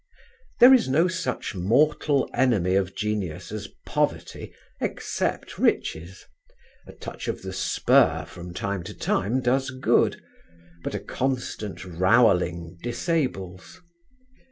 There is no such mortal enemy of genius as poverty except riches: a touch of the spur from time to time does good; but a constant rowelling disables.